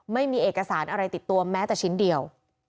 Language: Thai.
ไม่มีเอกสารอะไรติดตัวแม้แต่ชิ้นเดียว